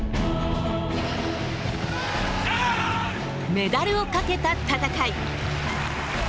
メダルをかけた闘い。